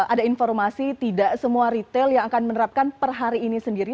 ada informasi tidak semua retail yang akan menerapkan per hari ini sendiri